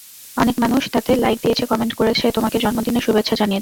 অনেক মানুষ তাতে লাইক দিয়েছে, কমেন্ট করেছে, তোমাকে জন্মদিনের শুভেচ্ছা জানিয়েছে।